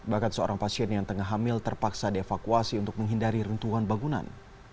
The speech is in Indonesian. bahkan seorang pasien yang tengah hamil terpaksa dievakuasi untuk menghindari rentuhan bangunan